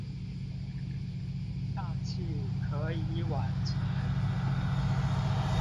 大器可以晚成